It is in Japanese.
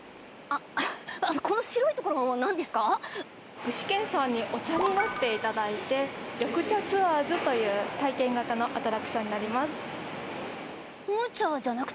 あの具志堅さんにお茶になって頂いて緑茶ツアーズという体験型のアトラクションになります。